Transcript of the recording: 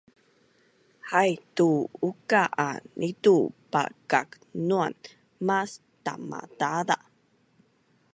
haitu uka a nitu palkaknuan mas Tamadaza